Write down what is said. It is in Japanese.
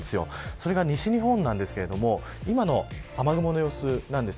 それが西日本なのですが今の雨雲の様子です。